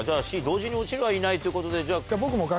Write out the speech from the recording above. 「同時に落ちる」はいないということで。